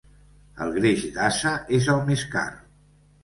El greix d'ase és el més car.